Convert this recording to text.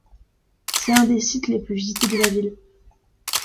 C'est un des sites les plus visités de la ville.